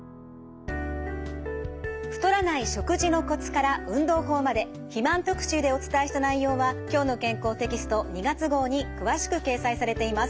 太らない食事のコツから運動法まで肥満特集でお伝えした内容は「きょうの健康」テキスト２月号に詳しく掲載されています。